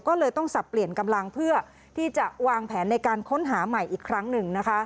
ก็เลยต้องสับเปลี่ยนกำลังเพื่อที่จะวางแผนในการค้นหาใหม่อีกครั้งหนึ่งนะคะ